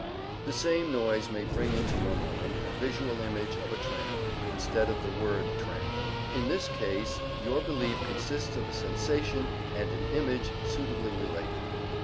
The same noise may bring into your mind the visual image of a tram, instead of the word "tram." In this case your belief consists of a sensation and an image suitable related.